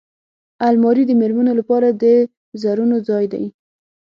الماري د مېرمنو لپاره د زرونو ځای دی